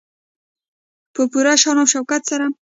په پوره شان او شوکت سره.